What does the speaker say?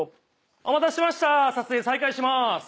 お待たせしました撮影再開します。